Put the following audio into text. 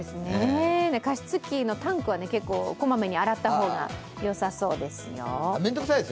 加湿器のタンクは結構こまめに洗った方が良さそうですよ。